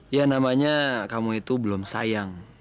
ya namanya kamu itu belum sayang